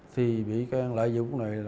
thì bị can lợi dụng này